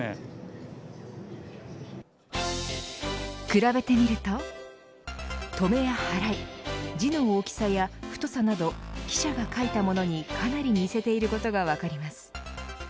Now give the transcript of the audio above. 比べてみると止めや払い、字の大きさや太さなど、記者が書いたものにかなり似せていることが分かります。